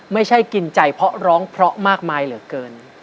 ไม่ใช่กินใจเพราะร้องเพราะมากมายเหลือเกิน